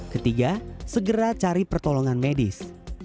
ketiga segera cari pertolongan medis